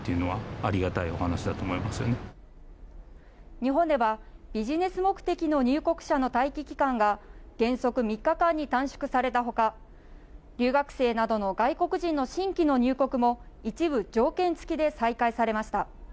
日本ではビジネス目的の入国者の待機期間が原則３日間に短縮されたほか留学生などの外国人の新規の入国も一部、条件付きで再開されました。